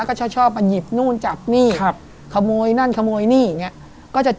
แล้วก็ชอบมาหยิบนู่นจับนี่ขโมยนั่นขโมยนี่อย่างเงี้ย